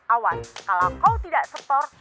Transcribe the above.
awan kalau kau tidak setor